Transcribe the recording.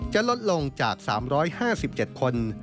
จะลดลงจาก๓๕๗คน